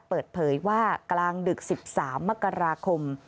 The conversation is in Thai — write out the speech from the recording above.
เปิดเผยว่ากลางดึก๑๓มกราคม